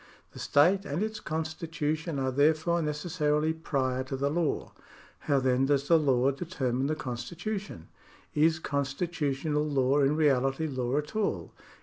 The state and its constitution are therefore necessarily prior to the law. How then does the law determine the constitu tion ? Is constitutional law in reality law at all